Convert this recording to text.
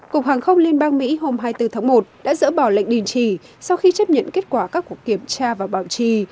cục hàng không liên bang mỹ hôm hai mươi bốn tháng một đã dỡ bỏ lệnh đình chỉ sau khi chấp nhận kết quả các cuộc kiểm tra và bảo trì